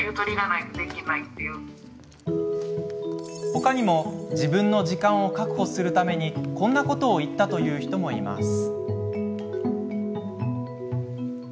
ほかにも自分の時間を確保するためにこんなことを言ったという人もいます。